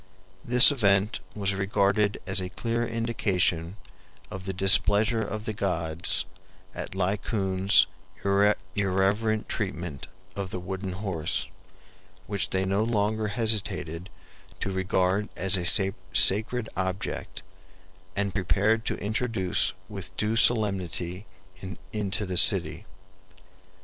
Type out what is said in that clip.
This event was regarded as a clear indication of the displeasure of the gods at Laocoon's irreverent treatment of the wooden horse, which they no longer hesitated to regard as a sacred object, and prepared to introduce with due solemnity into the city.